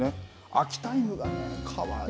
秋田犬がかわいい。